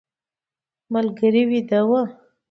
ملګري ویده و.